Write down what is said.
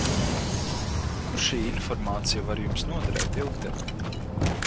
Kur šī informācija var Jums noderēt ilgtermiņā?